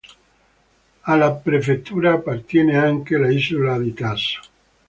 Alla prefettura appartiene anche l'isola di Taso.